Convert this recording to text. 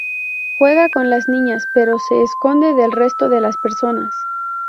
Juega con las niñas, pero se esconde del resto de las personas.